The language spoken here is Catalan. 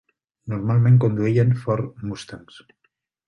Normalment conduïen Ford Mustangs.